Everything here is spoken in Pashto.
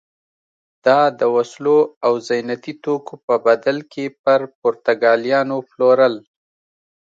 دا د وسلو او زینتي توکو په بدل کې پر پرتګالیانو پلورل.